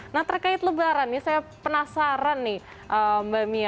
nah terkait lebaran nih saya penasaran nih mbak mia